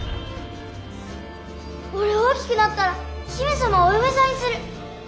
俺大きくなったら姫様をお嫁さんにする！